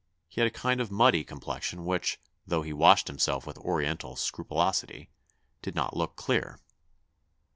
He had a kind of muddy complexion which, though he washed himself with oriental scrupulosity, did not look clear.